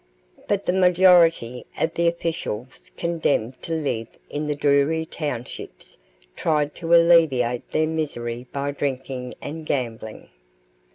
But the majority of the officials condemned to live in the dreary townships tried to alleviate their misery by drinking and gambling.